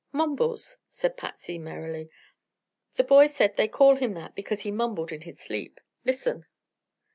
"Mumbles," said Patsy, merrily. "The boy said they called him that because he mumbled in his sleep. Listen!"